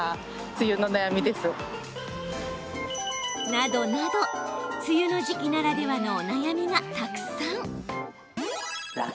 などなど梅雨の時期ならではのお悩みがたくさん。